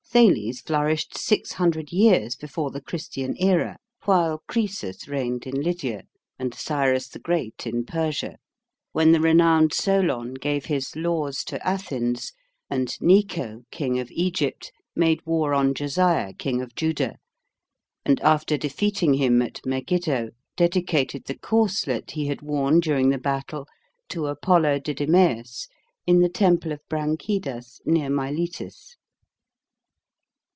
Thales flourished 600 years before the Christian era, while Croesus reigned in Lydia, and Cyrus the Great, in Persia, when the renowned Solon gave his laws to Athens, and Necos, King of Egypt, made war on Josiah, King of Judah, and after defeating him at Megiddo, dedicated the corslet he had worn during the battle to Apollo Didymaeus in the temple of Branchidas, near Miletus.